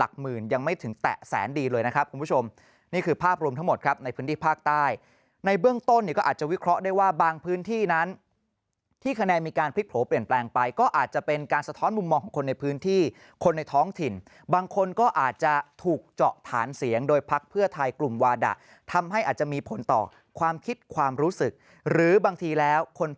ยังไม่ถึงแตะแสนดีเลยนะครับคุณผู้ชมนี่คือภาพรวมทั้งหมดครับในพื้นที่ภาคใต้ในเบื้องต้นเนี่ยก็อาจจะวิเคราะห์ได้ว่าบางพื้นที่นั้นที่คะแนนมีการพลิกโผล่เปลี่ยนแปลงไปก็อาจจะเป็นการสะท้อนมุมมองของคนในพื้นที่คนในท้องถิ่นบางคนก็อาจจะถูกเจาะฐานเสียงโดยพักเพื่อไทยกลุ่มวาดะทำให้อาจจะมีผลต่อความคิดความรู้สึกหรือบางทีแล้วคน